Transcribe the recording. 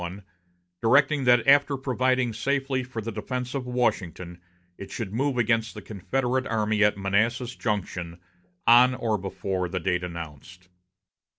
I, directing that after providing safely for the defense of Washington, it should move against the Confederate army at Manassas Junction, on or before the date announced.